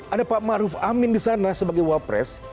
ada pak maruf amin di sana sebagai wapres